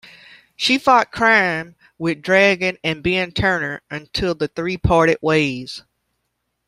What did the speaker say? She fought crime with Dragon and Ben Turner until the three parted ways.